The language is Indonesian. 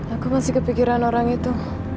aku masih kepikiran orang itu